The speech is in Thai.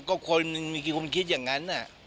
ก็ไปคุยกันแล้วก็คนมีคุณคิดอย่างนั้น